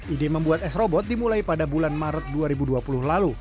ide membuat s robot dimulai pada bulan maret dua ribu dua puluh lalu